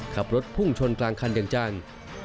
ขับรถพุ่งชนกลางคันอย่างจัง